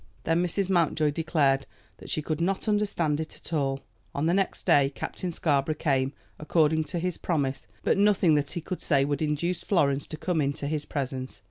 Then Mrs. Mountjoy declared that she could not understand it at all. On the next day Captain Scarborough came, according to his promise, but nothing that he could say would induce Florence to come into his presence.